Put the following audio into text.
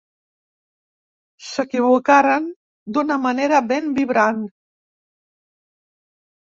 S'equivocaren d'una manera ben vibrant.